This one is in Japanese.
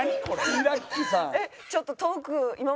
ミラッキさん。